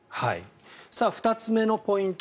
２つ目のポイント